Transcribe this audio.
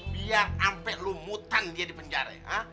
biar sampai lu mutan dia di penjara ya